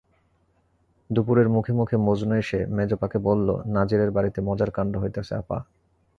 দুপুরের মুখে মুখে মজনু এসে মেজোপাকে বলল, নাজিরের বাড়িতে মজার কাণ্ড হইতাছে আপা।